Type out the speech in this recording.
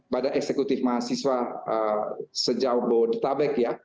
badan eksekutif mahasiswa sejauh bodetabek ya